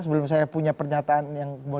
sebelum saya punya pernyataan yang